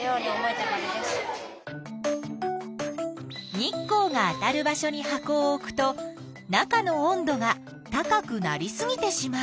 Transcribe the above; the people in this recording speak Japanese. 日光があたる場所に箱を置くと中の温度が高くなりすぎてしまう。